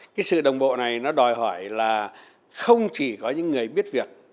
cái sự đồng bộ này nó đòi hỏi là không chỉ có những người biết việc